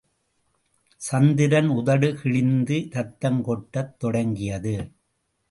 சந்திரன் உதடு கிழிந்து இரத்தம்கொட்டத் தொடங்கியது.